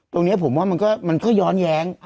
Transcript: ตรงนี้ผมว่ามันก็ย้อนแย้ง